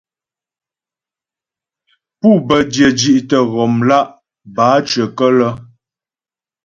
Pû bə́ dyə̂ zhí'tə ghɔmlá' bǎcyəkə́lə́.